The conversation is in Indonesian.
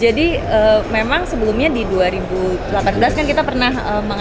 jadi memang sebelumnya di dua ribu delapan belas kan kita pernah